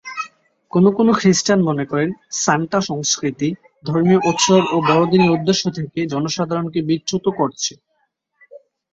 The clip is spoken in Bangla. কোনো কোনো খ্রিষ্টান মনে করেন, সান্টা সংস্কৃতি ধর্মীয় উৎস ও বড়দিনের উদ্দেশ্য থেকে জনসাধারণকে বিচ্যুত করছে।